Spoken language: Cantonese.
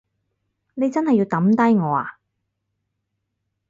你真係要抌低我呀？